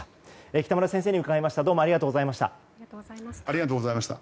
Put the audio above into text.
北村先生に伺いました。